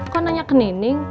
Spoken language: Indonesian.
kok nanya ke neneng